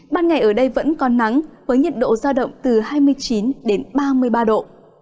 ban ngày ở đây vẫn còn nắng với nhiệt độ giao động từ hai mươi chín đến ba mươi ba độ